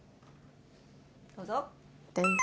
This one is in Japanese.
どうぞ。